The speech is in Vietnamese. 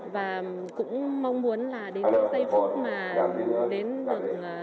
và cũng mong muốn là đến tây phúc mà đến được